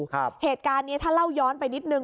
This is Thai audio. เหตุการณ์นี้ถ้าเล่าย้อนไปนิดนึง